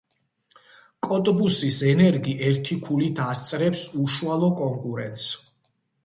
კოტბუსის ენერგი ერთი ქულით ასწრებს უშუალო კონკურენტს.